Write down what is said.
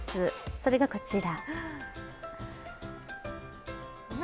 それがこちら。